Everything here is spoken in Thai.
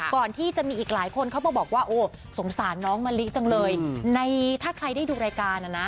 ก่อนที่จะมีอีกหลายคนเข้ามาบอกว่าโอ้สงสารน้องมะลิจังเลยในถ้าใครได้ดูรายการนะนะ